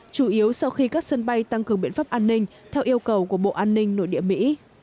chủ yếu sau khi các sân bay tăng cường biện pháp an ninh theo yêu cầu của bộ an ninh nội địa mỹ